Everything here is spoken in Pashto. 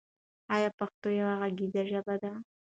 آیا پښتو یوه غږیزه ژبه ده؟